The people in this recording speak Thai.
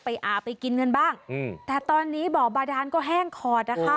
อาบไปกินกันบ้างอืมแต่ตอนนี้บ่อบาดานก็แห้งขอดนะคะ